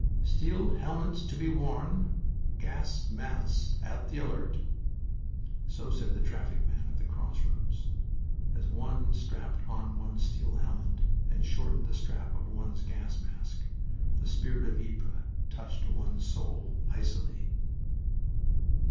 "Steel helmets to be worn. Gas masks at the alert." So said the traffic man at the crossroads. As one strapped on one's steel helmet and shortened the strap of one's gas mask, the spirit of Ypres touched one's soul icily.